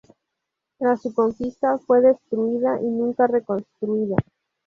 Tras su conquista fue destruida y nunca reconstruida.